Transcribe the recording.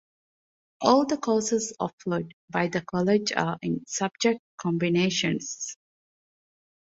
All the courses offered by the College are in subject combinations.